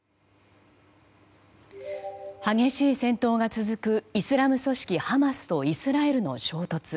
激しい戦闘が続くイスラム組織ハマスとイスラエルの衝突。